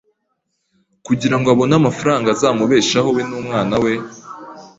kugirango abone amafaranga azamubeshaho we n’umwana we